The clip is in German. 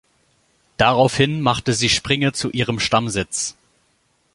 Daraufhin machten sie Springe zu ihrem Stammsitz.